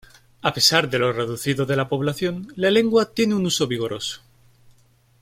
A pesar de lo reducido de la población, la lengua tiene un uso vigoroso.